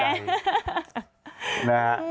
นี่ไง